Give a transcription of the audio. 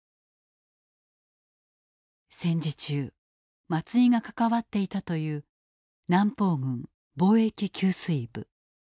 戦時中松井が関わっていたという南方軍防疫給水部。